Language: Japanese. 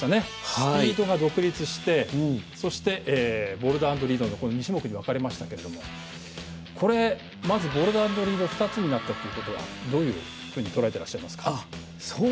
スピードが独立して、そしてボルダー＆リードの２種目に分かれましたけどもこれ、まずボルダー＆リード２つになったということはどういうふうにとらえてらっしゃいますか？